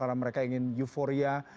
karena mereka ingin euforia